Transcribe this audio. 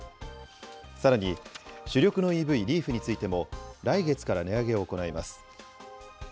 さらに主力のＥＶリーフについても、来月から値上げを行います。